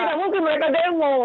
tidak mungkin mereka demo